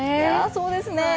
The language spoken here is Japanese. そうですね。